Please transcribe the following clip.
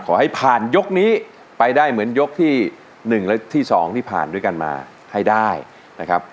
ขอให้ผ่านยกนี้ไปได้เหมือนยกที่๑และที่๒ที่ผ่านด้วยกันมาให้ได้นะครับ